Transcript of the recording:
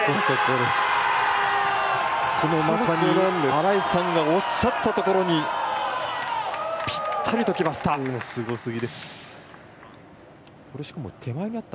新井さんがおっしゃったところにぴったりときました。